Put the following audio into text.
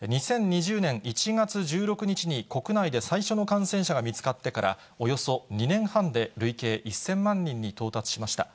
２０２０年１月１６日に国内で最初の感染者が見つかってから、およそ２年半で、累計１０００万人に到達しました。